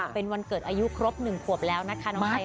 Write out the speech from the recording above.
เป็นวันเกิดอายุครบ๑ขวบแล้วนะคะน้องไอ